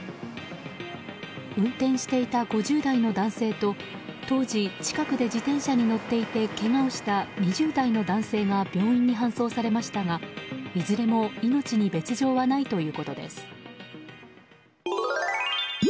運転していた５０代の男性と当時、近くで自転車に乗っていてけがをした２０代の男性が病院に搬送されましたがいずれも命に別状はないということです。